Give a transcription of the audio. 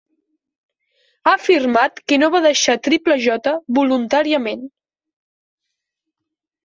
Ha afirmat que no va deixar Triple J. voluntàriament.